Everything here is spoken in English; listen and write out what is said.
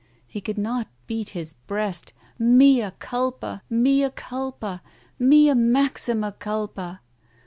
... He could not beat his breast, Mea culpa, mea culpa, mea maxima culpa!